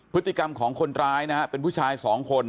พฤติกรรมของคนร้ายนะฮะเป็นผู้ชายสองคน